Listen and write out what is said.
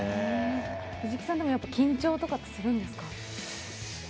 藤木さんでも緊張とかするんですか？